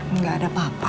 enggak ada apa apa